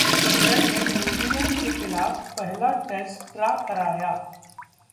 England ने New Zealand के खिलाफ पहला टेस्ट ड्रा कराया